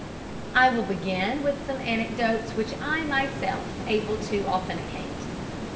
I will begin with some anecdotes which I am myself able to authenticate.